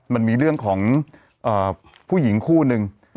มันมีเรื่องของผู้หญิงคู่นึง